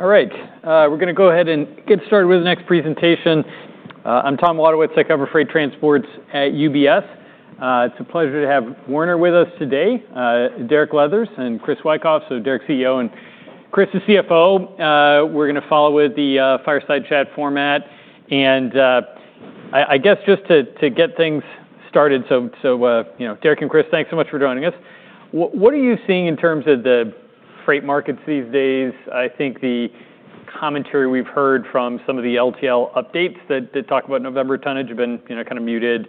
All right. We're going to go ahead and get started with the next presentation. I'm Tom Wadewitz I cover Freight Transports at UBS. It's a pleasure to have Werner with us today, Derek Leathers, and Chris Wikoff. Derek is CEO and Chris is CFO. We're going to follow with the fireside chat format. I guess just to get things started, Derek and Chris, thanks so much for joining us. What are you seeing in terms of the freight markets these days? I think the commentary we've heard from some of the LTL updates that talk about November tonnage have been kind of muted.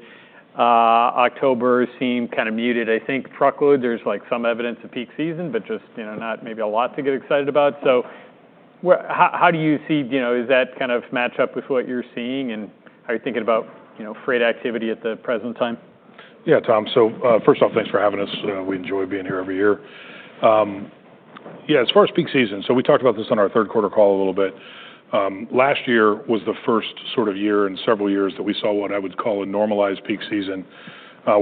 October seemed kind of muted. I think truckload, there's some evidence of peak season, but just not maybe a lot to get excited about. How do you see? Do you know, does that kind of match up with what you're seeing? How are you thinking about freight activity at the present time? Yeah, Tom. So first off, thanks for having us. We enjoy being here every year. Yeah, as far as peak season, we talked about this on our third quarter call a little bit. Last year was the first sort of year in several years that we saw what I would call a normalized peak season, where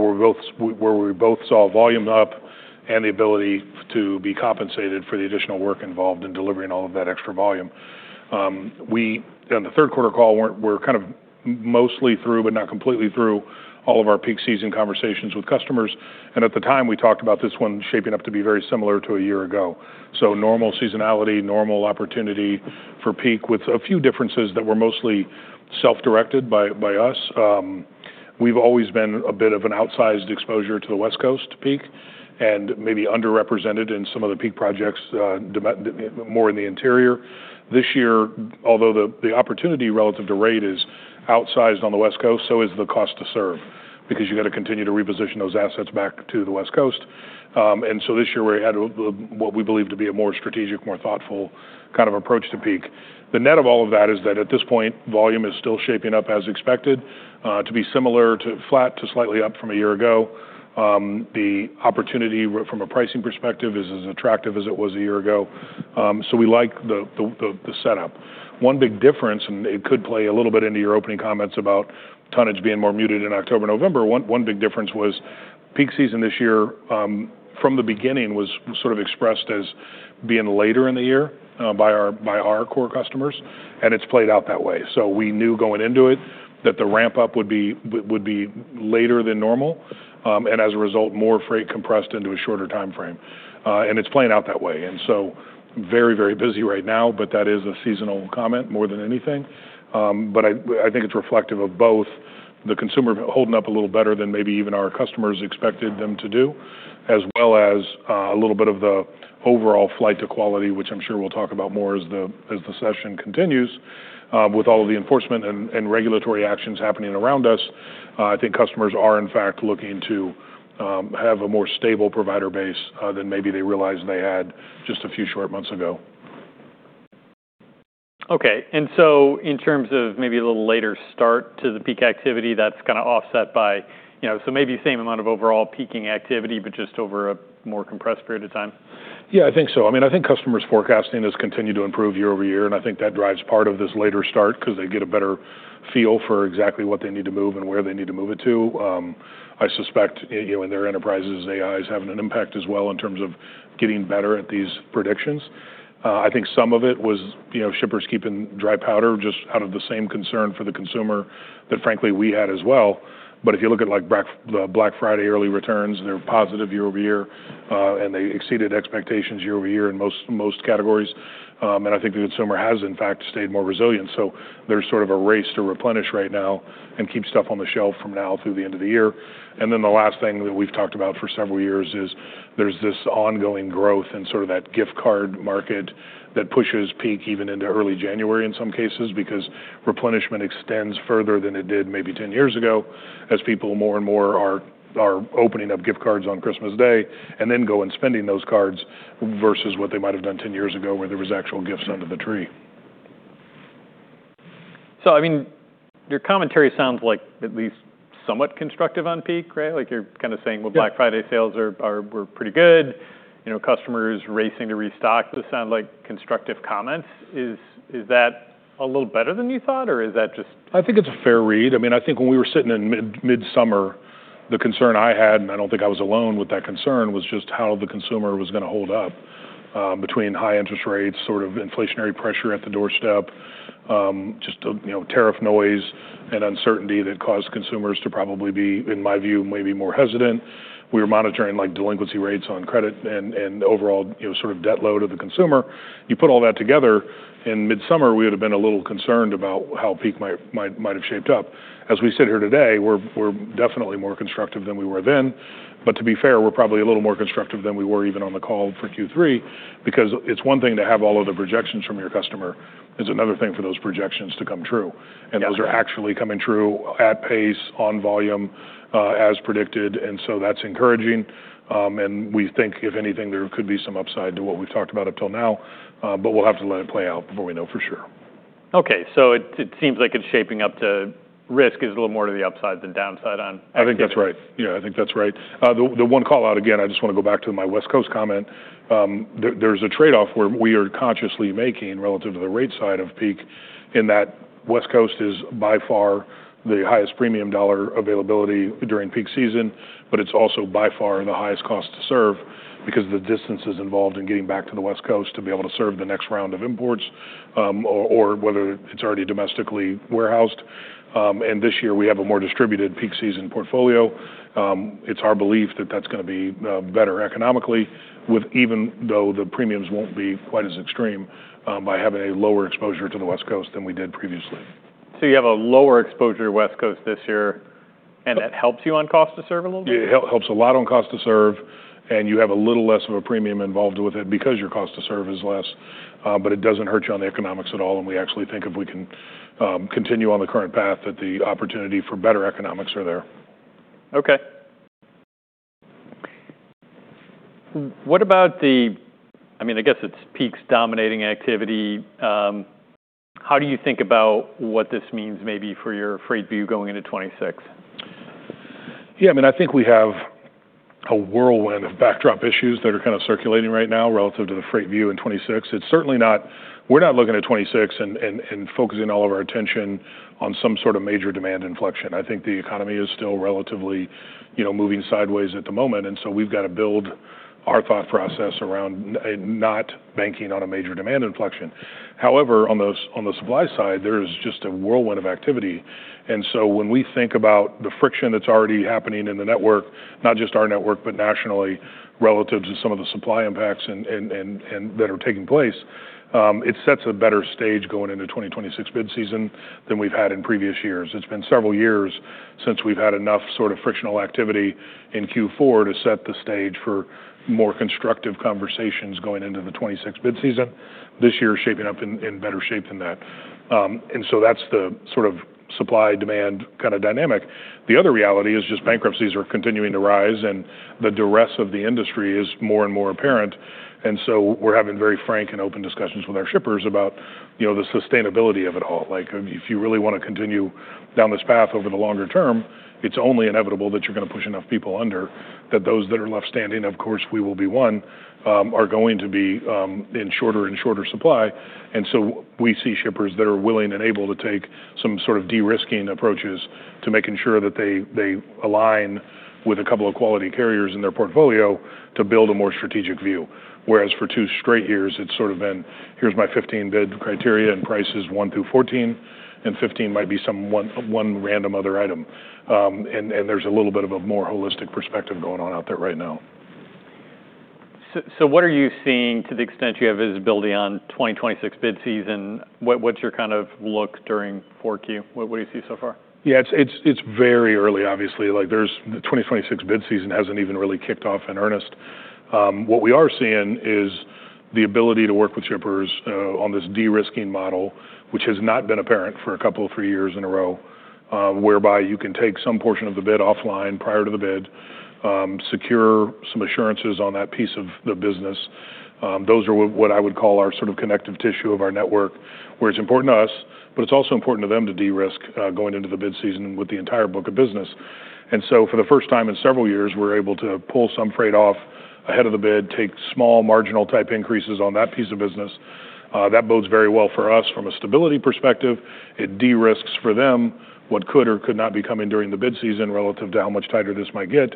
we both saw volume up and the ability to be compensated for the additional work involved in delivering all of that extra volume. We on the third quarter call were kind of mostly through, but not completely through, all of our peak season conversations with customers. At the time, we talked about this one shaping up to be very similar to a year ago. Normal seasonality, normal opportunity for peak with a few differences that were mostly self-directed by us. We've always been a bit of an outsized exposure to the West Coast peak and maybe underrepresented in some of the peak projects more in the interior. This year, although the opportunity relative to rate is outsized on the West Coast, so is the cost to serve because you've got to continue to reposition those assets back to the West Coast. This year, we had what we believe to be a more strategic, more thoughtful kind of approach to peak. The net of all of that is that at this point, volume is still shaping up as expected to be similar to flat to slightly up from a year ago. The opportunity from a pricing perspective is as attractive as it was a year ago. We like the setup. One big difference, and it could play a little bit into your opening comments about tonnage being more muted in October and November, one big difference was peak season this year from the beginning was sort of expressed as being later in the year by our core customers. It has played out that way. We knew going into it that the ramp up would be later than normal. As a result, more freight compressed into a shorter time frame. It is playing out that way. Very, very busy right now, but that is a seasonal comment more than anything. I think it's reflective of both the consumer holding up a little better than maybe even our customers expected them to do, as well as a little bit of the overall flight to quality, which I'm sure we'll talk about more as the session continues with all of the enforcement and regulatory actions happening around us. I think customers are in fact looking to have a more stable provider base than maybe they realized they had just a few short months ago. Okay. In terms of maybe a little later start to the peak activity, that's kind of offset by maybe the same amount of overall peaking activity, but just over a more compressed period of time. Yeah, I think so. I mean, I think customers' forecasting has continued to improve year over year. I think that drives part of this later start because they get a better feel for exactly what they need to move and where they need to move it to. I suspect in their enterprises, AI is having an impact as well in terms of getting better at these predictions. I think some of it was shippers keeping dry powder just out of the same concern for the consumer that frankly we had as well. If you look at Black Friday early returns, they're positive year over year. They exceeded expectations year over year in most categories. I think the consumer has in fact stayed more resilient. There's sort of a race to replenish right now and keep stuff on the shelf from now through the end of the year. The last thing that we've talked about for several years is there's this ongoing growth and sort of that gift card market that pushes peak even into early January in some cases because replenishment extends further than it did maybe 10 years ago as people more and more are opening up gift cards on Christmas Day and then go and spending those cards versus what they might have done 10 years ago where there were actual gifts under the tree. I mean, your commentary sounds like at least somewhat constructive on peak, right? Like you're kind of saying, well, Black Friday sales were pretty good. Customers racing to restock. Does it sound like constructive comments? Is that a little better than you thought, or is that just? I think it's a fair read. I mean, I think when we were sitting in mid-summer, the concern I had, and I don't think I was alone with that concern, was just how the consumer was going to hold up between high interest rates, sort of inflationary pressure at the doorstep, just tariff noise and uncertainty that caused consumers to probably be, in my view, maybe more hesitant. We were monitoring delinquency rates on credit and overall sort of debt load of the consumer. You put all that together, in mid-summer, we would have been a little concerned about how peak might have shaped up. As we sit here today, we're definitely more constructive than we were then. To be fair, we're probably a little more constructive than we were even on the call for Q3 because it's one thing to have all of the projections from your customer. is another thing for those projections to come true. Those are actually coming true at pace, on volume, as predicted. That is encouraging. We think, if anything, there could be some upside to what we have talked about up till now, but we will have to let it play out before we know for sure. Okay. It seems like it's shaping up to risk is a little more to the upside than downside on peak. I think that's right. Yeah, I think that's right. The one call out again, I just want to go back to my West Coast comment. There's a trade-off where we are consciously making relative to the rate side of peak in that West Coast is by far the highest premium dollar availability during peak season, but it's also by far the highest cost to serve because of the distances involved in getting back to the West Coast to be able to serve the next round of imports or whether it's already domestically warehoused. This year, we have a more distributed peak season portfolio. It's our belief that that's going to be better economically, even though the premiums won't be quite as extreme by having a lower exposure to the West Coast than we did previously. You have a lower exposure to West Coast this year, and that helps you on cost to serve a little bit? Yeah, it helps a lot on cost to serve. You have a little less of a premium involved with it because your cost to serve is less, but it does not hurt you on the economics at all. We actually think if we can continue on the current path that the opportunity for better economics are there. Okay. What about the, I mean, I guess it's peak's dominating activity. How do you think about what this means maybe for your freight view going into 2026? Yeah, I mean, I think we have a whirlwind of backdrop issues that are kind of circulating right now relative to the freight view in 2026. It's certainly not, we're not looking at 2026 and focusing all of our attention on some sort of major demand inflection. I think the economy is still relatively moving sideways at the moment. We've got to build our thought process around not banking on a major demand inflection. However, on the supply side, there is just a whirlwind of activity. When we think about the friction that's already happening in the network, not just our network, but nationally relative to some of the supply impacts that are taking place, it sets a better stage going into 2026 bid season than we've had in previous years. It's been several years since we've had enough sort of frictional activity in Q4 to set the stage for more constructive conversations going into the 2026 bid season. This year is shaping up in better shape than that. That's the sort of supply-demand kind of dynamic. The other reality is just bankruptcies are continuing to rise and the duress of the industry is more and more apparent. We're having very frank and open discussions with our shippers about the sustainability of it all. If you really want to continue down this path over the longer term, it's only inevitable that you're going to push enough people under that those that are left standing, of course, we will be one, are going to be in shorter and shorter supply. We see shippers that are willing and able to take some sort of de-risking approaches to making sure that they align with a couple of quality carriers in their portfolio to build a more strategic view. Whereas for two straight years, it has sort of been, here is my 15 bid criteria and prices 1 through 14, and 15 might be some one random other item. There is a little bit of a more holistic perspective going on out there right now. What are you seeing to the extent you have visibility on 2026 bid season? What's your kind of look during 4Q? What do you see so far? Yeah, it's very early, obviously. 2026 bid season hasn't even really kicked off in earnest. What we are seeing is the ability to work with shippers on this de-risking model, which has not been apparent for a couple of three years in a row, whereby you can take some portion of the bid offline prior to the bid, secure some assurances on that piece of the business. Those are what I would call our sort of connective tissue of our network, where it's important to us, but it's also important to them to de-risk going into the bid season with the entire book of business. For the first time in several years, we're able to pull some freight off ahead of the bid, take small marginal type increases on that piece of business. That bodes very well for us from a stability perspective. It de-risks for them what could or could not be coming during the bid season relative to how much tighter this might get.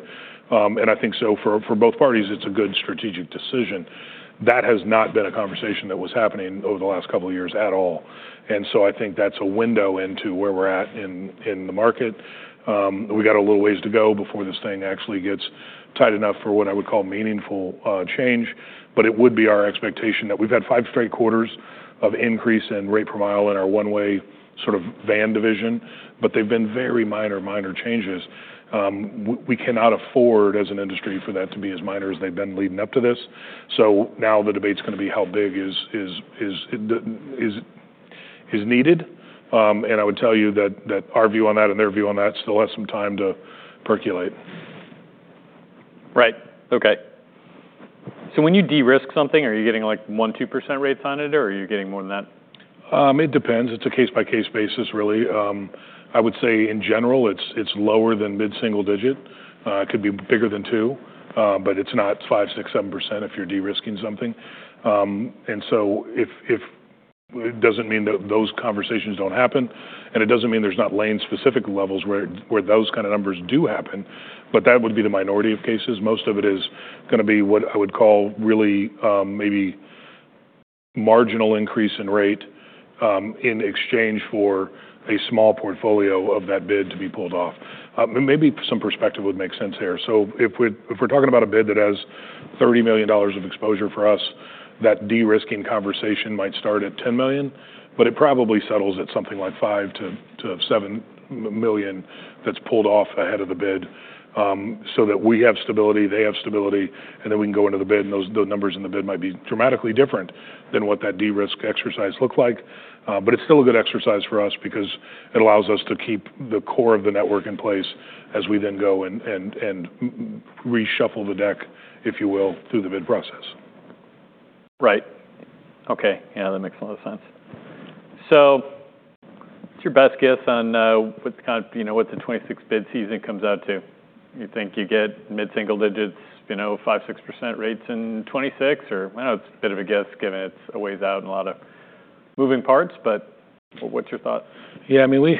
I think for both parties, it's a good strategic decision. That has not been a conversation that was happening over the last couple of years at all. I think that's a window into where we're at in the market. We got a little ways to go before this thing actually gets tight enough for what I would call meaningful change. It would be our expectation that we've had five straight quarters of increase in rate per mile in our one-way sort of van division, but they've been very minor, minor changes. We cannot afford as an industry for that to be as minor as they've been leading up to this. Now the debate's going to be how big is needed. Our view on that and their view on that still has some time to percolate. Right. Okay. When you de-risk something, are you getting like 1%-2% rates on it, or are you getting more than that? It depends. It's a case-by-case basis, really. I would say in general, it's lower than mid-single digit. It could be bigger than 2%, but it's not 5%, 6%, 7% if you're de-risking something. It does not mean that those conversations do not happen. It does not mean there's not lane-specific levels where those kind of numbers do happen, but that would be the minority of cases. Most of it is going to be what I would call really maybe marginal increase in rate in exchange for a small portfolio of that bid to be pulled off. Maybe some perspective would make sense here. If we're talking about a bid that has $30 million of exposure for us, that de-risking conversation might start at $10 million, but it probably settles at something like $5 million-$7 million that's pulled off ahead of the bid so that we have stability, they have stability, and then we can go into the bid and those numbers in the bid might be dramatically different than what that de-risk exercise looked like. It's still a good exercise for us because it allows us to keep the core of the network in place as we then go and reshuffle the deck, if you will, through the bid process. Right. Okay. Yeah, that makes a lot of sense. What is your best guess on what the 2026 bid season comes out to? You think you get mid-single digits, 5%, 6% rates in 2026, or I know it is a bit of a guess given it is a ways out and a lot of moving parts, but what are your thoughts? Yeah, I mean, we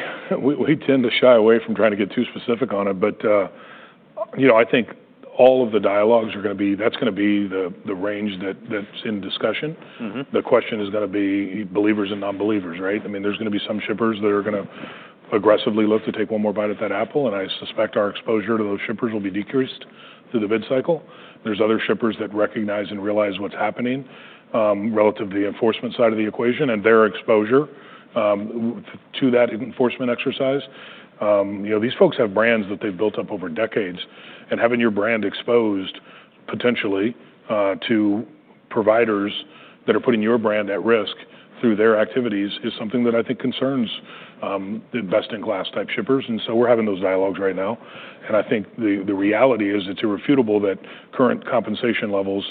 tend to shy away from trying to get too specific on it, but I think all of the dialogues are going to be, that's going to be the range that's in discussion. The question is going to be believers and non-believers, right? I mean, there's going to be some shippers that are going to aggressively look to take one more bite at that apple. I suspect our exposure to those shippers will be decreased through the bid cycle. There are other shippers that recognize and realize what's happening relative to the enforcement side of the equation and their exposure to that enforcement exercise. These folks have brands that they've built up over decades. Having your brand exposed potentially to providers that are putting your brand at risk through their activities is something that I think concerns the best-in-class type shippers. We are having those dialogues right now. I think the reality is it's irrefutable that current compensation levels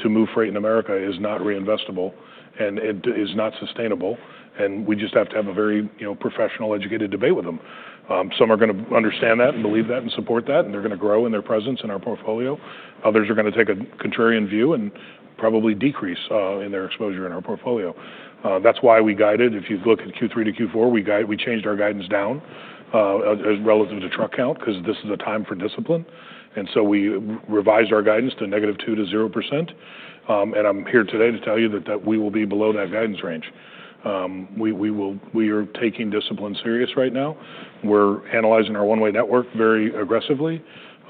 to move freight in America is not reinvestable and it is not sustainable. We just have to have a very professional, educated debate with them. Some are going to understand that and believe that and support that, and they're going to grow in their presence in our portfolio. Others are going to take a contrarian view and probably decrease in their exposure in our portfolio. That's why we guided, if you look at Q3 to Q4, we changed our guidance down relative to truck count because this is a time for discipline. We revised our guidance to -2% to 0%. I'm here today to tell you that we will be below that guidance range. We are taking discipline serious right now. We're analyzing our one-way network very aggressively,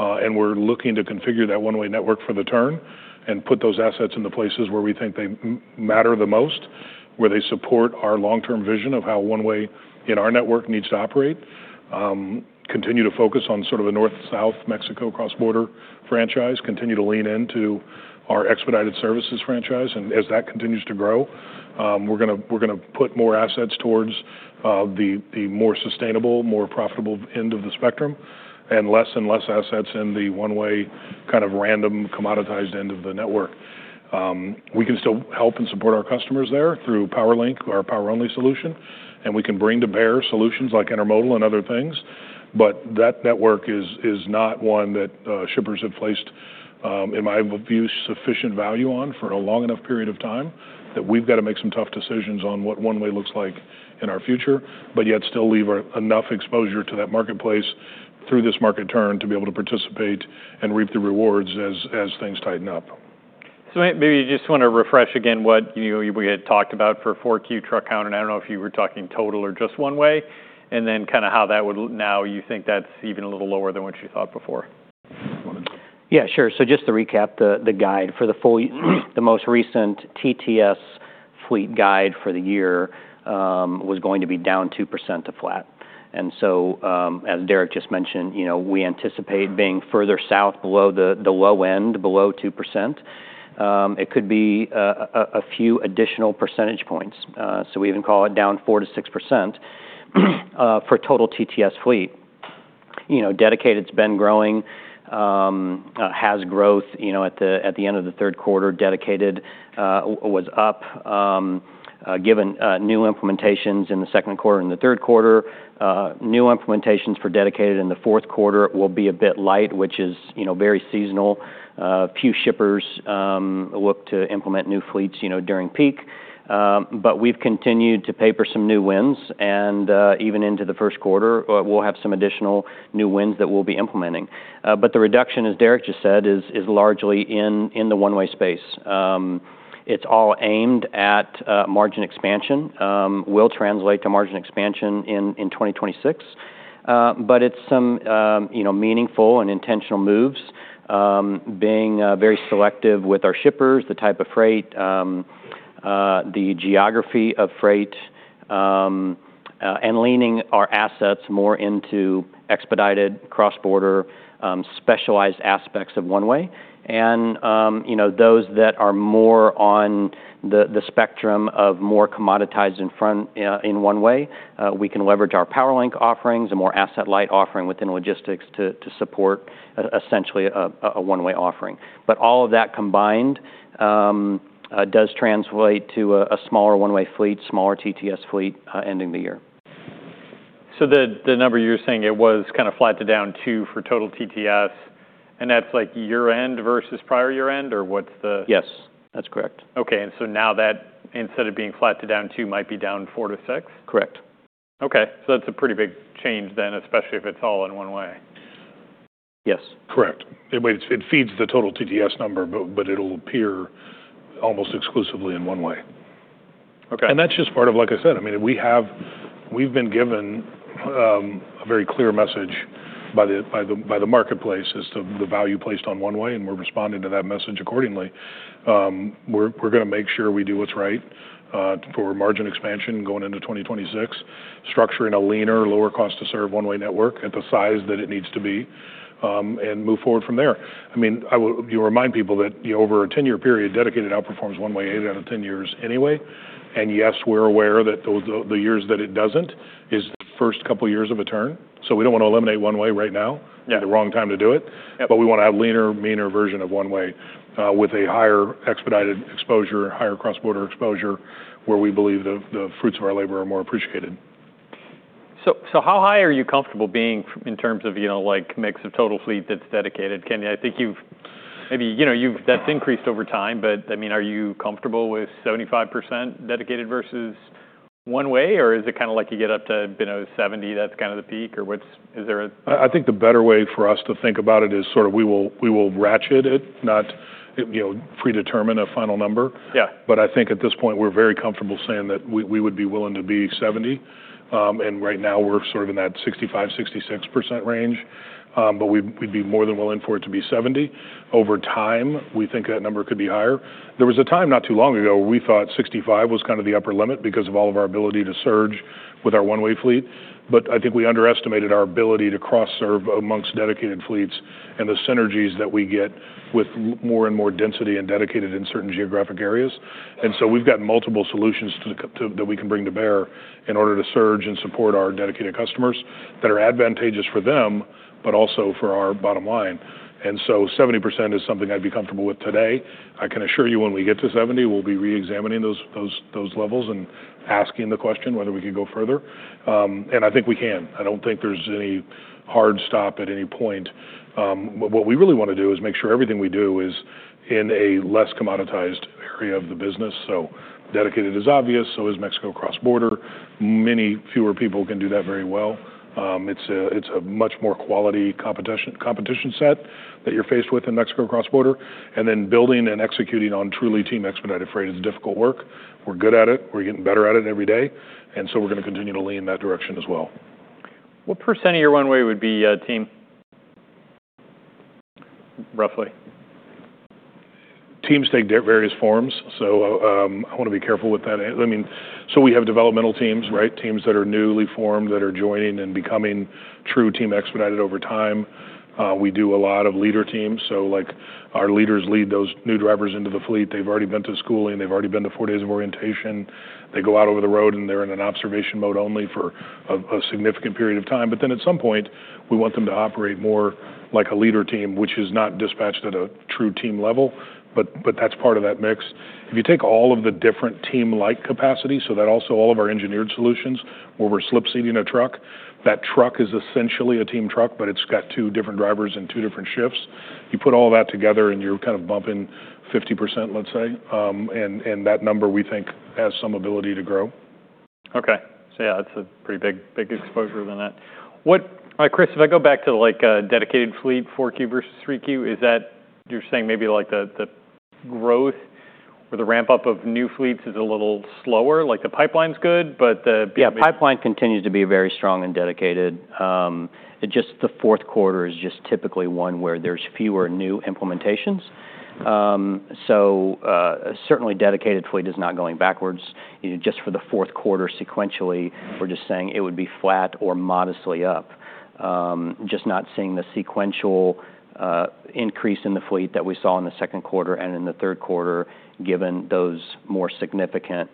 and we're looking to configure that one-way network for the turn and put those assets in the places where we think they matter the most, where they support our long-term vision of how one-way in our network needs to operate. We continue to focus on sort of a North-South Mexico cross-border franchise. We continue to lean into our expedited services franchise. As that continues to grow, we're going to put more assets towards the more sustainable, more profitable end of the spectrum and less and less assets in the one-way kind of random commoditized end of the network. We can still help and support our customers there through PowerLink, our power-only solution, and we can bring to bear solutions like Intermodal and other things. That network is not one that shippers have placed, in my view, sufficient value on for a long enough period of time that we've got to make some tough decisions on what one-way looks like in our future, but yet still leave enough exposure to that marketplace through this market turn to be able to participate and reap the rewards as things tighten up. Maybe you just want to refresh again what we had talked about for 4Q truck count, and I don't know if you were talking total or just one-way, and then kind of how that would now you think that's even a little lower than what you thought before. Yeah, sure. Just to recap the guide, for the most recent TTS fleet guide for the year, it was going to be down 2% to flat. As Derek just mentioned, we anticipate being further south below the low end, below 2%. It could be a few additional percentage points. We even call it down 4%-6% for total TTS fleet. Dedicated's been growing, has growth at the end of the third quarter. Dedicated was up given new implementations in the second quarter and the third quarter. New implementations for Dedicated in the fourth quarter will be a bit light, which is very seasonal. Few shippers look to implement new fleets during peak, but we've continued to paper some new wins, and even into the first quarter, we'll have some additional new wins that we'll be implementing. The reduction, as Derek just said, is largely in the one-way space. It's all aimed at margin expansion. Will translate to margin expansion in 2026, but it's some meaningful and intentional moves, being very selective with our shippers, the type of freight, the geography of freight, and leaning our assets more into expedited cross-border specialized aspects of one-way. Those that are more on the spectrum of more commoditized in one-way, we can leverage our PowerLink offerings, a more asset-light offering within logistics to support essentially a one-way offering. All of that combined does translate to a smaller one-way fleet, smaller TTS fleet ending the year. The number you're saying, it was kind of flat to down two for total TTS, and that's like year-end versus prior year-end, or what's the? Yes, that's correct. Okay. And so now that instead of being flat to down two, might be down four to six? Correct. Okay. That is a pretty big change then, especially if it is all in one-way. Yes. Correct. It feeds the total TTS number, but it'll appear almost exclusively in one-way. That's just part of, like I said, I mean, we've been given a very clear message by the marketplace as to the value placed on one-way, and we're responding to that message accordingly. We're going to make sure we do what's right for margin expansion going into 2026, structuring a leaner, lower-cost-to-serve one-way network at the size that it needs to be, and move forward from there. I mean, you remind people that over a 10-year period, Dedicated outperforms one-way eight out of 10 years anyway. Yes, we're aware that the years that it doesn't is the first couple of years of a turn. We do not want to eliminate one-way right now, the wrong time to do it, but we want to have a leaner, meaner version of one-way with a higher expedited exposure, higher cross-border exposure, where we believe the fruits of our labor are more appreciated. How high are you comfortable being in terms of mix of total fleet that's Dedicated? I think maybe that's increased over time, but I mean, are you comfortable with 75% Dedicated versus one-way, or is it kind of like you get up to 70%, that's kind of the peak, or is there a? I think the better way for us to think about it is sort of we will ratchet it, not predetermine a final number. I think at this point, we're very comfortable saying that we would be willing to be 70%. Right now, we're sort of in that 65%, 66% range, but we'd be more than willing for it to be 70%. Over time, we think that number could be higher. There was a time not too long ago where we thought 65% was kind of the upper limit because of all of our ability to surge with our One-Way fleet. I think we underestimated our ability to cross-serve amongst Dedicated fleets and the synergies that we get with more and more density and Dedicated in certain geographic areas. We have multiple solutions that we can bring to bear in order to surge and support our Dedicated customers that are advantageous for them, but also for our bottom line. Seventy percent is something I'd be comfortable with today. I can assure you when we get to 70%, we'll be re-examining those levels and asking the question whether we can go further. I think we can. I do not think there is any hard stop at any point. What we really want to do is make sure everything we do is in a less commoditized area of the business. Dedicated is obvious, so is Mexico cross-border. Many fewer people can do that very well. It is a much more quality competition set that you are faced with in Mexico cross-border. Building and executing on truly team-expedited freight is difficult work. We are good at it. We're getting better at it every day. We are going to continue to lean in that direction as well. What percent of your one-way would be team? Roughly. Teams take various forms, so I want to be careful with that. I mean, we have developmental teams, right? Teams that are newly formed that are joining and becoming true team-expedited over time. We do a lot of leader teams. Our leaders lead those new drivers into the fleet. They've already been to schooling. They've already been to four days of orientation. They go out over the road, and they're in an observation mode only for a significant period of time. At some point, we want them to operate more like a leader team, which is not dispatched at a true team level, but that's part of that mix. If you take all of the different team-like capacity, so that also all of our engineered solutions where we're slip seating a truck, that truck is essentially a team truck, but it's got two different drivers and two different shifts. You put all that together, and you're kind of bumping 50%, let's say, and that number we think has some ability to grow. Okay. Yeah, that's a pretty big exposure then. All right, Chris, if I go back to Dedicated fleet 4Q versus 3Q, is that you're saying maybe the growth or the ramp-up of new fleets is a little slower? The pipeline's good, but the. Yeah, pipeline continues to be very strong in Dedicated. Just the fourth quarter is just typically one where there's fewer new implementations. Certainly, Dedicated fleet is not going backwards. Just for the fourth quarter sequentially, we're just saying it would be flat or modestly up, just not seeing the sequential increase in the fleet that we saw in the second quarter and in the third quarter given those more significant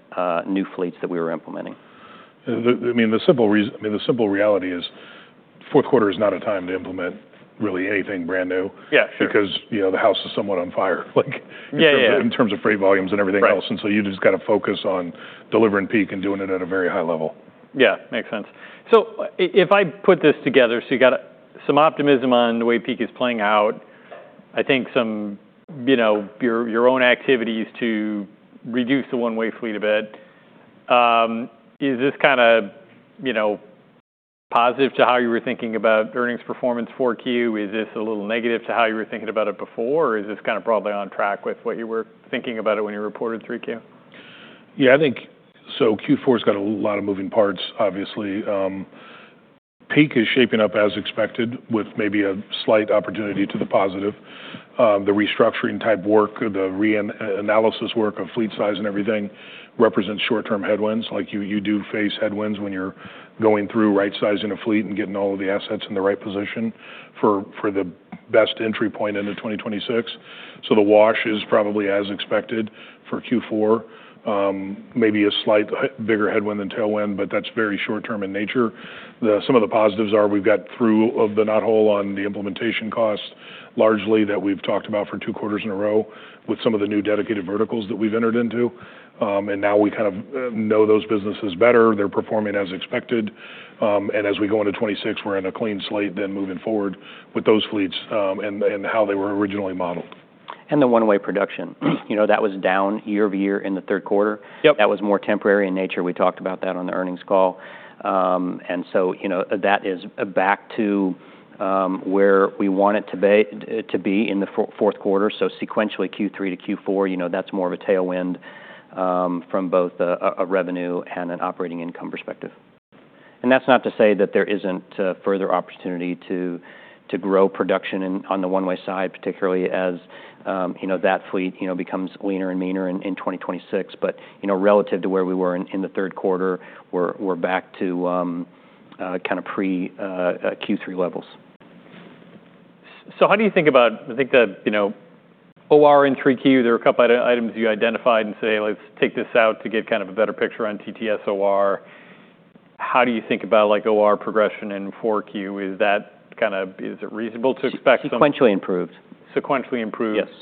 new fleets that we were implementing. I mean, the simple reality is fourth quarter is not a time to implement really anything brand new because the house is somewhat on fire in terms of freight volumes and everything else. You just got to focus on delivering peak and doing it at a very high level. Yeah, makes sense. If I put this together, you got some optimism on the way peak is playing out, I think some of your own activities to reduce the one-way fleet a bit. Is this kind of positive to how you were thinking about earnings performance 4Q? Is this a little negative to how you were thinking about it before? Is this kind of broadly on track with what you were thinking about it when you reported 3Q? Yeah, I think so. Q4 has got a lot of moving parts, obviously. Peak is shaping up as expected with maybe a slight opportunity to the positive. The restructuring type work, the re-analysis work of fleet size and everything represents short-term headwinds. You do face headwinds when you're going through right-sizing a fleet and getting all of the assets in the right position for the best entry point into 2026. The wash is probably as expected for Q4, maybe a slight bigger headwind than tailwind, but that's very short-term in nature. Some of the positives are we've got through of the knot hole on the implementation cost largely that we've talked about for two quarters in a row with some of the new Dedicated verticals that we've entered into. Now we kind of know those businesses better. They're performing as expected. As we go into 2026, we're in a clean slate then moving forward with those fleets and how they were originally modeled. The one-way production, that was down year-over-year in the third quarter. That was more temporary in nature. We talked about that on the earnings call. That is back to where we want it to be in the fourth quarter. Sequentially Q3 to Q4, that's more of a tailwind from both a revenue and an operating income perspective. That's not to say that there isn't further opportunity to grow production on the one-way side, particularly as that fleet becomes leaner and meaner in 2026. Relative to where we were in the third quarter, we're back to kind of pre-Q3 levels. How do you think about, I think the OR in 3Q, there are a couple of items you identified and say, "Let's take this out to get kind of a better picture on TTS OR." How do you think about OR progression in 4Q? Is that kind of, is it reasonable to expect some? Sequentially improved. Sequentially improved. Yes.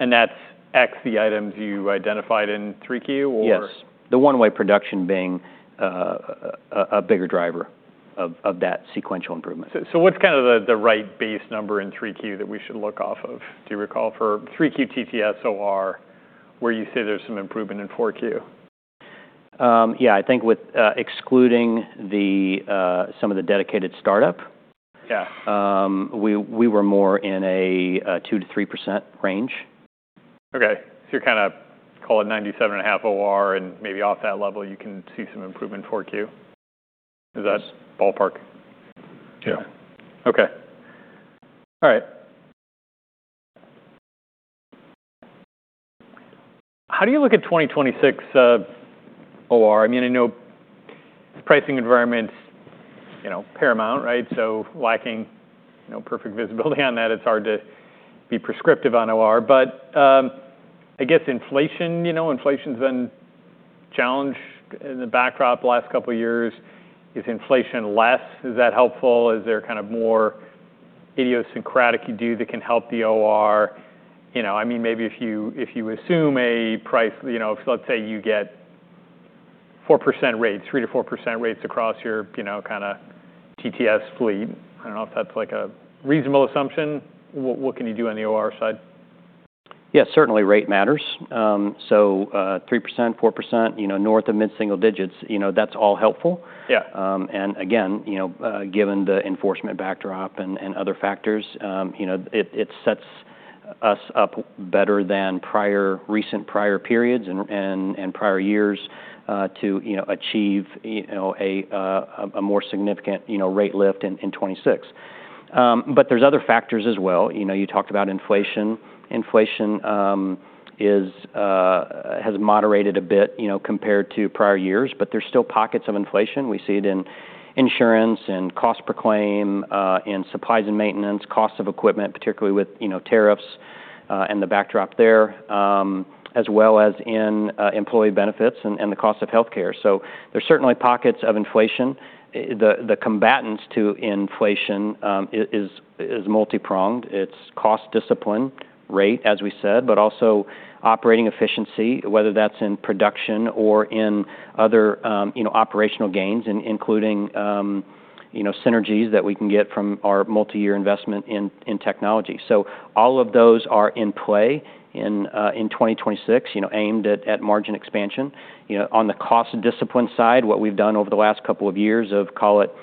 Is that X the items you identified in 3Q or? Yes. The one-way production being a bigger driver of that sequential improvement. What is kind of the right base number in 3Q that we should look off of? Do you recall for 3Q TTS OR where you say there is some improvement in 4Q? Yeah, I think with excluding some of the Dedicated startup, we were more in a 2%-3% range. Okay. So you're kind of call it 97.5 OR, and maybe off that level, you can see some improvement in 4Q. Is that ballpark? Yeah. Okay. All right. How do you look at 2026 OR? I mean, I know pricing environment's paramount, right? Lacking perfect visibility on that, it's hard to be prescriptive on OR. I guess inflation, inflation's been a challenge in the backdrop the last couple of years. Is inflation less? Is that helpful? Is there kind of more idiosyncratic you do that can help the OR? I mean, maybe if you assume a price, let's say you get 3%-4% rates across your kind of TTS fleet, I don't know if that's like a reasonable assumption. What can you do on the OR side? Yeah, certainly rate matters. 3%, 4%, north of mid-single digits, that's all helpful. Again, given the enforcement backdrop and other factors, it sets us up better than recent prior periods and prior years to achieve a more significant rate lift in 2026. There are other factors as well. You talked about inflation. Inflation has moderated a bit compared to prior years, but there are still pockets of inflation. We see it in insurance and cost per claim and supplies and maintenance, cost of equipment, particularly with tariffs and the backdrop there, as well as in employee benefits and the cost of healthcare. There are certainly pockets of inflation. The combatants to inflation are multi-pronged. It's cost discipline, rate, as we said, but also operating efficiency, whether that's in production or in other operational gains, including synergies that we can get from our multi-year investment in technology. All of those are in play in 2026, aimed at margin expansion. On the cost discipline side, what we've done over the last couple of years, call it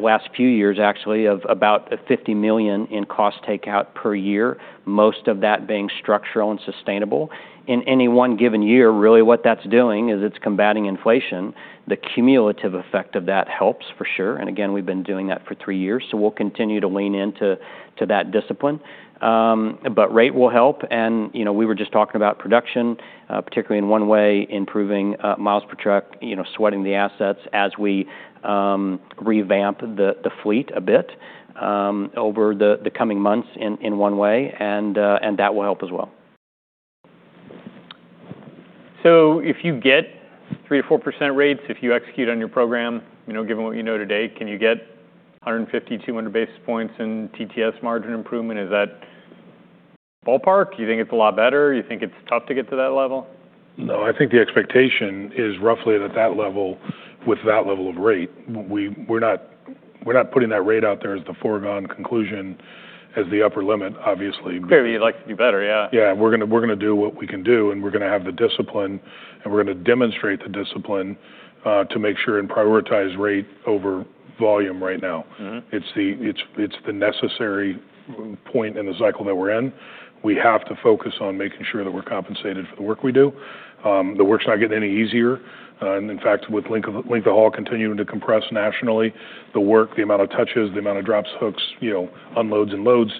last few years actually, of about $50 million in cost takeout per year, most of that being structural and sustainable. In any one given year, really what that's doing is it's combating inflation. The cumulative effect of that helps for sure. Again, we've been doing that for three years. We'll continue to lean into that discipline. Rate will help. We were just talking about production, particularly in one-way, improving miles per truck, sweating the assets as we revamp the fleet a bit over the coming months in one-way. That will help as well. If you get 3%-4% rates, if you execute on your program, given what you know today, can you get 150 basis points-200 basis points in TTS margin improvement? Is that ballpark? Do you think it's a lot better? Do you think it's tough to get to that level? No, I think the expectation is roughly at that level with that level of rate. We're not putting that rate out there as the foregone conclusion as the upper limit, obviously. Clearly, you'd like to do better, yeah. Yeah. We're going to do what we can do, and we're going to have the discipline, and we're going to demonstrate the discipline to make sure and prioritize rate over volume right now. It's the necessary point in the cycle that we're in. We have to focus on making sure that we're compensated for the work we do. The work's not getting any easier. In fact, with LTL fall to continue to compress nationally, the work, the amount of touches, the amount of drops, hooks, unloads, and loads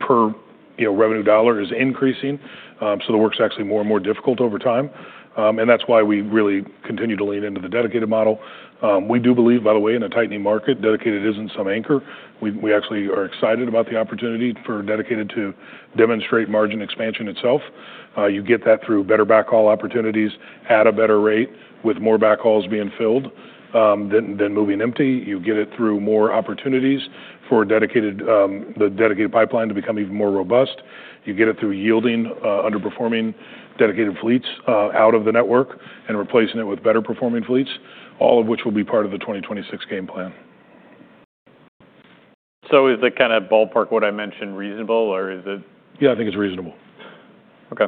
per revenue dollar is increasing. The work's actually more and more difficult over time. That's why we really continue to lean into the Dedicated model. We do believe, by the way, in a tightening market, Dedicated isn't some anchor. We actually are excited about the opportunity for Dedicated to demonstrate margin expansion itself. You get that through better backhaul opportunities, at a better rate with more backhauls being filled than moving empty. You get it through more opportunities for the Dedicated pipeline to become even more robust. You get it through yielding underperforming Dedicated fleets out of the network and replacing it with better performing fleets, all of which will be part of the 2026 game plan. Is the kind of ballpark what I mentioned reasonable, or is it? Yeah, I think it's reasonable. Okay.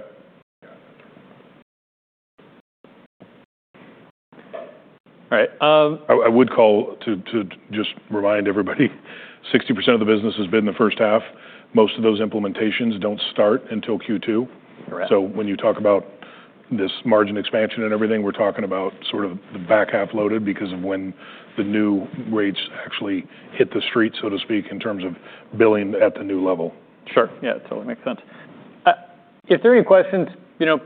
All right. I would call to just remind everybody, 60% of the business has been the first half. Most of those implementations do not start until Q2. When you talk about this margin expansion and everything, we are talking about sort of the back half loaded because of when the new rates actually hit the street, so to speak, in terms of billing at the new level. Sure. Yeah, it totally makes sense. If there are any questions,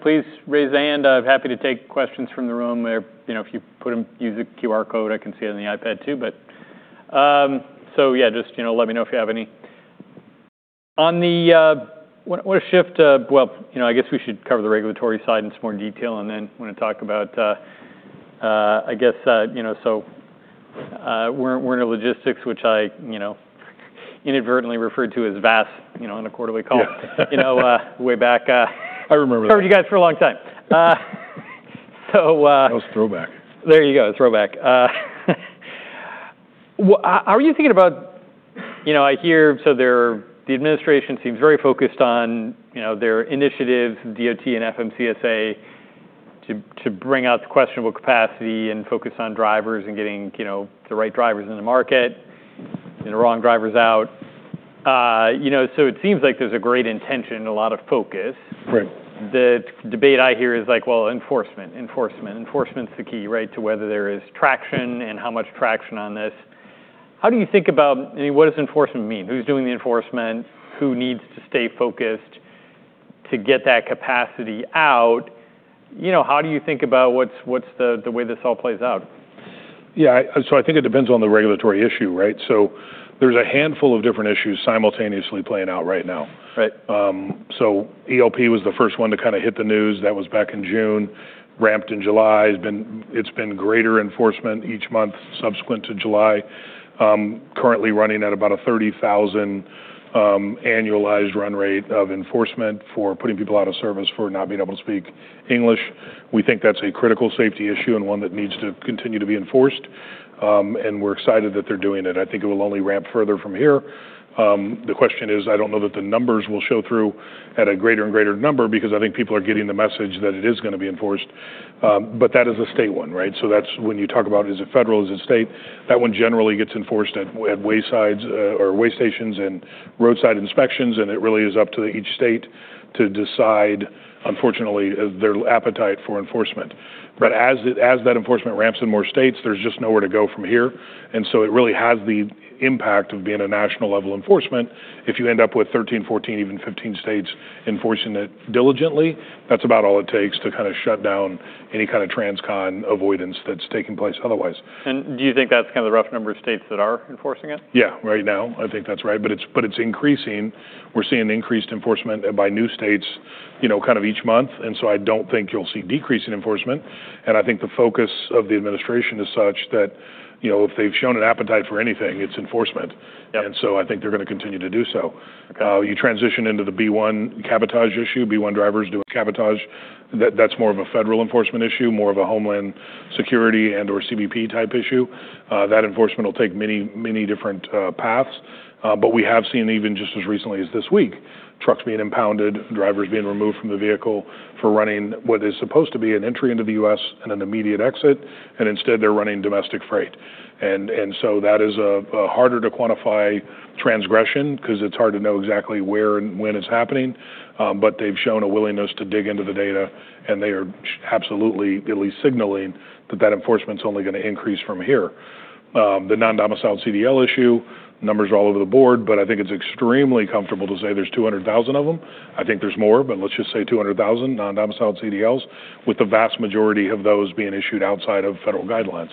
please raise their hand. I'm happy to take questions from the room. If you put in, use a QR code. I can see it on the iPad too. Just let me know if you have any. I want to shift to, I guess we should cover the regulatory side in some more detail, and then want to talk about, I guess, Werner logistics, which I inadvertently referred to as VAS in a quarterly call way back. I remember that. Served you guys for a long time. That was a throwback. There you go, a throwback. Are you thinking about, I hear, the administration seems very focused on their initiatives, DOT and FMCSA, to bring out the questionable capacity and focus on drivers and getting the right drivers in the market and the wrong drivers out. It seems like there's a great intention and a lot of focus. The debate I hear is like, well, enforcement, enforcement, enforcement's the key, right, to whether there is traction and how much traction on this. How do you think about, I mean, what does enforcement mean? Who's doing the enforcement? Who needs to stay focused to get that capacity out? How do you think about what's the way this all plays out? Yeah. I think it depends on the regulatory issue, right? There is a handful of different issues simultaneously playing out right now. EOP was the first one to kind of hit the news. That was back in June, ramped in July. It has been greater enforcement each month subsequent to July, currently running at about a 30,000 annualized run rate of enforcement for putting people out of service for not being able to speak English. We think that is a critical safety issue and one that needs to continue to be enforced. We are excited that they are doing it. I think it will only ramp further from here. The question is, I do not know that the numbers will show through at a greater and greater number because I think people are getting the message that it is going to be enforced. That is a state one, right? That is when you talk about, is it federal, is it state? That one generally gets enforced at waysides or way stations and roadside inspections, and it really is up to each state to decide, unfortunately, their appetite for enforcement. As that enforcement ramps in more states, there is just nowhere to go from here. It really has the impact of being a national level enforcement. If you end up with 13, 14, even 15 states enforcing it diligently, that is about all it takes to kind of shut down any kind of transcon avoidance that is taking place otherwise. Do you think that's kind of the rough number of states that are enforcing it? Yeah, right now. I think that's right. But it's increasing. We're seeing increased enforcement by new states kind of each month. I don't think you'll see decreasing enforcement. I think the focus of the administration is such that if they've shown an appetite for anything, it's enforcement. I think they're going to continue to do so. You transition into the B-1 cabotage issue, B-1 drivers doing cabotage. That's more of a federal enforcement issue, more of a Homeland Security and/or CBP type issue. That enforcement will take many, many different paths. We have seen even just as recently as this week, trucks being impounded, drivers being removed from the vehicle for running what is supposed to be an entry into the U.S. and an immediate exit, and instead they're running domestic freight. That is a harder to quantify transgression because it's hard to know exactly where and when it's happening. They have shown a willingness to dig into the data, and they are absolutely at least signaling that that enforcement's only going to increase from here. The non-domiciled CDL issue, numbers are all over the board, but I think it's extremely comfortable to say there's 200,000 of them. I think there's more, but let's just say 200,000 non-domiciled CDLs with the vast majority of those being issued outside of federal guidelines.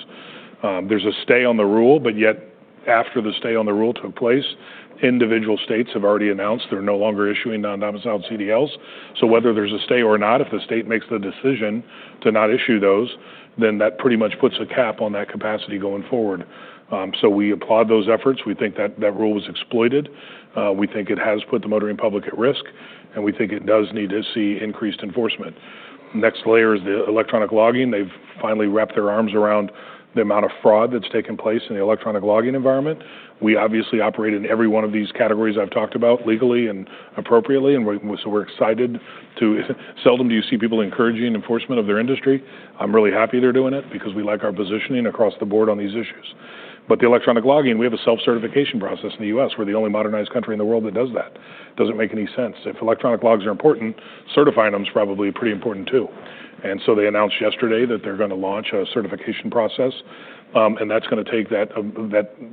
There's a stay on the rule, but yet after the stay on the rule took place, individual states have already announced they're no longer issuing non-domiciled CDLs. Whether there's a stay or not, if the state makes the decision to not issue those, then that pretty much puts a cap on that capacity going forward. We applaud those efforts. We think that that rule was exploited. We think it has put the motoring public at risk, and we think it does need to see increased enforcement. The next layer is the electronic logging. They have finally wrapped their arms around the amount of fraud that has taken place in the electronic logging environment. We obviously operate in every one of these categories I have talked about legally and appropriately, and we are excited to seldom do you see people encouraging enforcement of their industry. I am really happy they are doing it because we like our positioning across the board on these issues. The electronic logging, we have a self-certification process in the U.S. We are the only modernized country in the world that does that. It does not make any sense. If electronic logs are important, certifying them is probably pretty important too. They announced yesterday that they're going to launch a certification process, and that's going to take that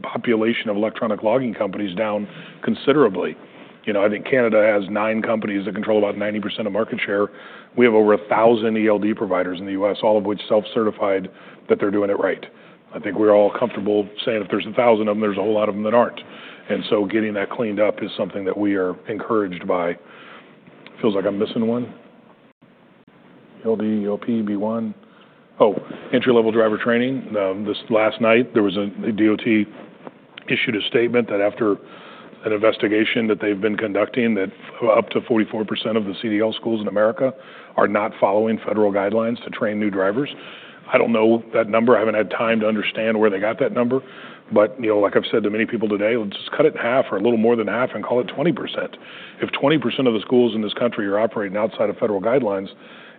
population of electronic logging companies down considerably. I think Canada has nine companies that control about 90% of market share. We have over 1,000 ELD providers in the U.S., all of which self-certified that they're doing it right. I think we're all comfortable saying if there's 1,000 of them, there's a whole lot of them that aren't. Getting that cleaned up is something that we are encouraged by. Feels like I'm missing one. ELD, EOP, B-1. Oh, entry-level driver training. This last night, DOT issued a statement that after an investigation that they've been conducting, that up to 44% of the CDL schools in America are not following federal guidelines to train new drivers. I don't know that number. I haven't had time to understand where they got that number. Like I've said to many people today, let's just cut it in half or a little more than half and call it 20%. If 20% of the schools in this country are operating outside of federal guidelines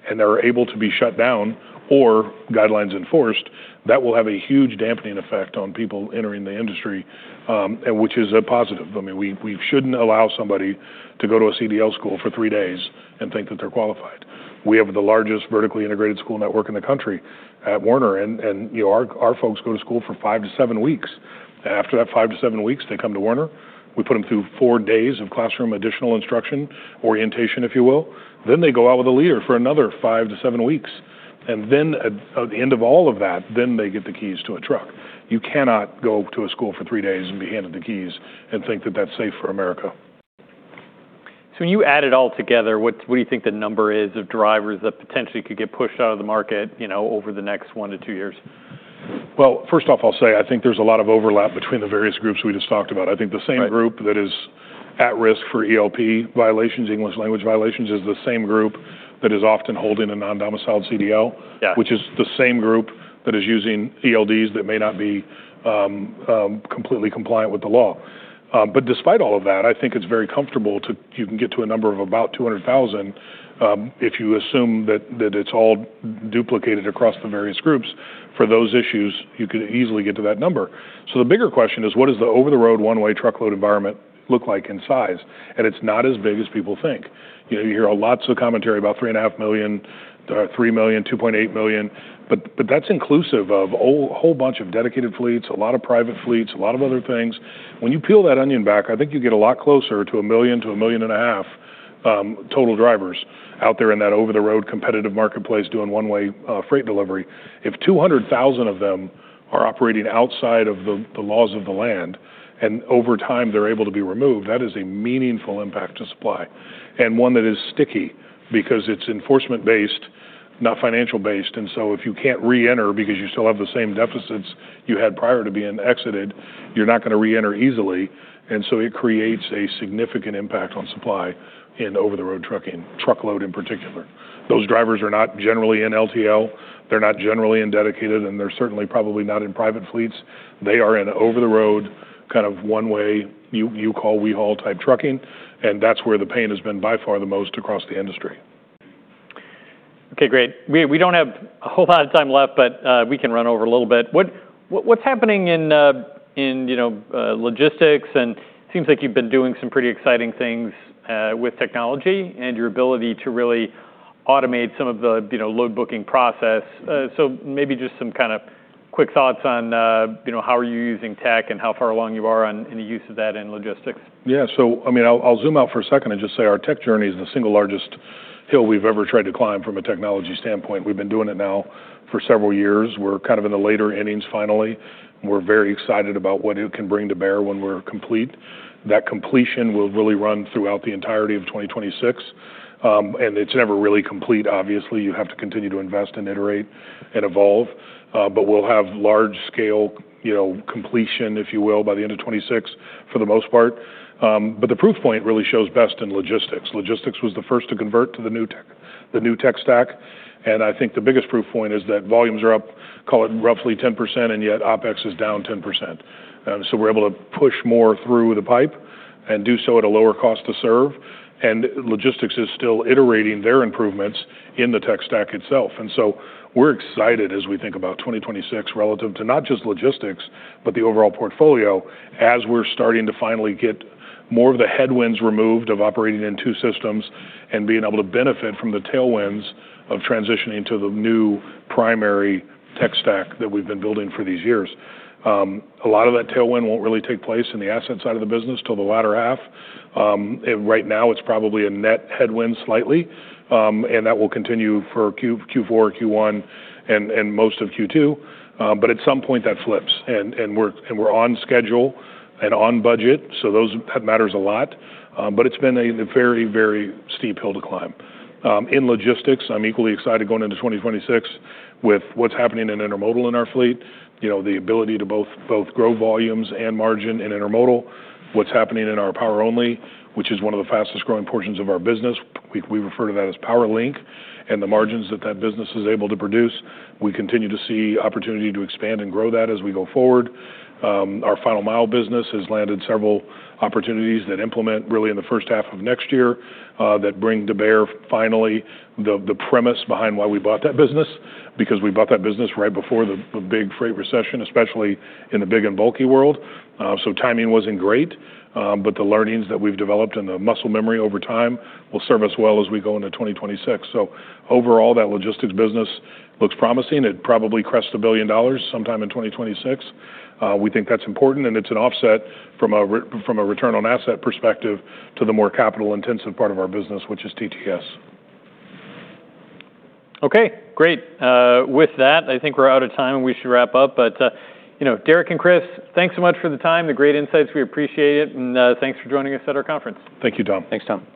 and they're able to be shut down or guidelines enforced, that will have a huge dampening effect on people entering the industry, which is a positive. I mean, we shouldn't allow somebody to go to a CDL school for three days and think that they're qualified. We have the largest vertically integrated school network in the country at Werner, and our folks go to school for five to seven weeks. After that five to seven weeks, they come to Werner. We put them through four days of classroom additional instruction, orientation, if you will. They go out with a leader for another five to seven weeks. At the end of all of that, they get the keys to a truck. You cannot go to a school for three days and be handed the keys and think that that's safe for America. When you add it all together, what do you think the number is of drivers that potentially could get pushed out of the market over the next one to two years? First off, I'll say I think there's a lot of overlap between the various groups we just talked about. I think the same group that is at risk for EOP violations, English language violations, is the same group that is often holding a non-domiciled CDL, which is the same group that is using ELDs that may not be completely compliant with the law. Despite all of that, I think it's very comfortable to get to a number of about 200,000 if you assume that it's all duplicated across the various groups. For those issues, you could easily get to that number. The bigger question is, what does the over-the-road one-way truckload environment look like in size? It's not as big as people think. You hear lots of commentary about three and a half million, 3 million, 2.8 million, but that's inclusive of a whole bunch of dedicated fleets, a lot of private fleets, a lot of other things. When you peel that onion back, I think you get a lot closer to a million to a million and a half total drivers out there in that over-the-road competitive marketplace doing one-way freight delivery. If 200,000 of them are operating outside of the laws of the land and over time they're able to be removed, that is a meaningful impact to supply and one that is sticky because it's enforcement-based, not financial-based. If you can't re-enter because you still have the same deficits you had prior to being exited, you're not going to re-enter easily. It creates a significant impact on supply in over-the-road trucking, truckload in particular. Those drivers are not generally in LTL. They're not generally in Dedicated, and they're certainly probably not in private fleets. They are in over-the-road kind of one-way, you call, we haul type trucking, and that's where the pain has been by far the most across the industry. Okay, great. We do not have a whole lot of time left, but we can run over a little bit. What is happening in logistics? It seems like you have been doing some pretty exciting things with technology and your ability to really automate some of the load booking process. Maybe just some kind of quick thoughts on how are you using tech and how far along you are in the use of that in logistics? Yeah. I mean, I'll zoom out for a second and just say our tech journey is the single largest hill we've ever tried to climb from a technology standpoint. We've been doing it now for several years. We're kind of in the later innings finally. We're very excited about what it can bring to bear when we're complete. That completion will really run throughout the entirety of 2026. It's never really complete, obviously. You have to continue to invest and iterate and evolve. We'll have large-scale completion, if you will, by the end of 2026 for the most part. The proof point really shows best in logistics. Logistics was the first to convert to the new tech stack. I think the biggest proof point is that volumes are up, call it roughly 10%, and yet OpEx is down 10%. We're able to push more through the pipe and do so at a lower cost to serve. Logistics is still iterating their improvements in the tech stack itself. We're excited as we think about 2026 relative to not just logistics, but the overall portfolio as we're starting to finally get more of the headwinds removed of operating in two systems and being able to benefit from the tailwinds of transitioning to the new primary tech stack that we've been building for these years. A lot of that tailwind will not really take place in the asset side of the business till the latter half. Right now, it's probably a net headwind slightly, and that will continue for Q4, Q1, and most of Q2. At some point, that flips, and we're on schedule and on budget. That matters a lot. It's been a very, very steep hill to climb. In logistics, I'm equally excited going into 2026 with what's happening in intermodal in our fleet, the ability to both grow volumes and margin in intermodal. What's happening in our power-only, which is one of the fastest growing portions of our business. We refer to that as PowerLink, and the margins that that business is able to produce, we continue to see opportunity to expand and grow that as we go forward. Our final mile business has landed several opportunities that implement really in the first half of next year that bring to bear finally the premise behind why we bought that business because we bought that business right before the big freight recession, especially in the big and bulky world. Timing was not great, but the learnings that we have developed and the muscle memory over time will serve us well as we go into 2026. Overall, that logistics business looks promising. It probably crests $1 billion sometime in 2026. We think that is important, and it is an offset from a return on asset perspective to the more capital-intensive part of our business, which is TTS. Okay, great. With that, I think we're out of time, and we should wrap up. Derek and Chris, thanks so much for the time, the great insights. We appreciate it. Thanks for joining us at our conference. Thank you, Tom. Thanks, Tom.